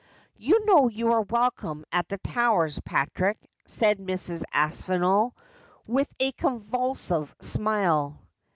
' You know you are welcome at the Towers, Patrick,' said Mrs. Aspinall, with a convulsive smile.